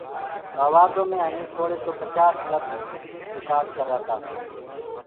موآدو مي همنٚ سوݪي سو پچآس لڦج رڪآرڊ ڪررآ۔